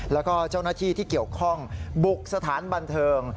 แล้วก็เจ้าหน้าที่ที่เกี่ยวข้องบุกสถานบันเทิง